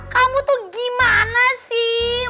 kamu tuh gimana sih